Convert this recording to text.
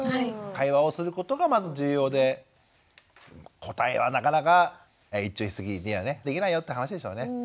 会話をすることがまず重要で答えはなかなか一朝一夕にはできないよって話でしょうね。